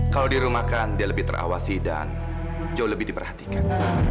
kalau di rumah kan dia lebih terawasi dan jauh lebih diperhatikan